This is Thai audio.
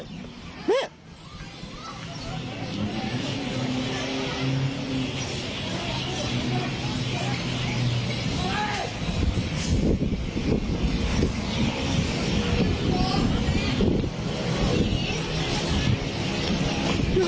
เดี๋ยว